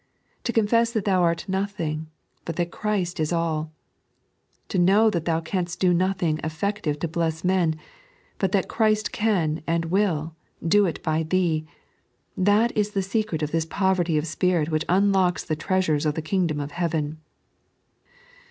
To confess that thou art nothing, but that Christ is aU ; to know that thou canst do nothing effective to bless men, but that Christ can, and will, do it by thee — that is the secret of this poverty of spirit which unlocks the treasures of the king dom of heaven.